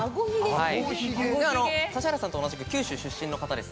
・指原さんと同じく九州出身の方です。